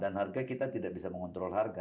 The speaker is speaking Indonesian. dan harga kita tidak bisa mengontrol harga